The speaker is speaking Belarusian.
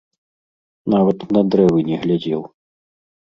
Нават на дрэвы не глядзеў.